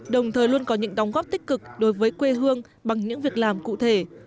đồng thời luôn có những đóng góp tích cực đối với quê hương bằng những việc làm cụ thể